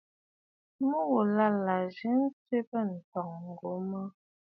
Mû ghù là à zî ǹtwɛ̀bə̂ ǹtɔ̀ŋ ŋù mə̀.